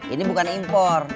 ini bukan impor